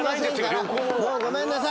もうごめんなさい。